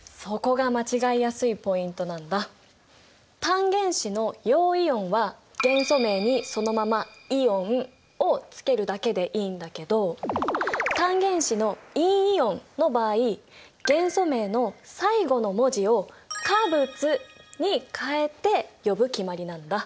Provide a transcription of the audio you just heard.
単原子の陽イオンは元素名にそのまま「イオン」をつけるだけでいいんだけど単原子の陰イオンの場合元素名の最後の文字を「化物」に変えて呼ぶ決まりなんだ。